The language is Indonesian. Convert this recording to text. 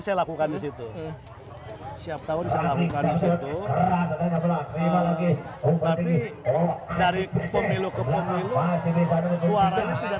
saya lakukan disitu setiap tahun saya lakukan disitu tapi dari pemilu ke pemilu suaranya tidak